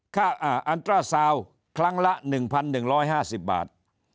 อันตราซาวครั้งละ๑๑๕๐บาท